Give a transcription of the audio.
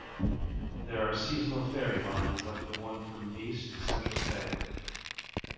There are seasonal ferry lines like the one from Nice to Saint-Tropez.